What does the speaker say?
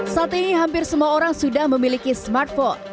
saat ini hampir semua orang sudah memiliki smartphone